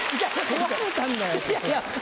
壊れたんだよ。